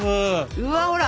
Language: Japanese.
うわほら